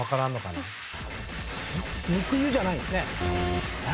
ぬくゆじゃないですね。